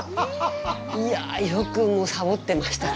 いや、よくサボってました。